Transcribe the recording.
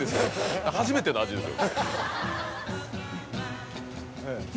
初めての味ですよ。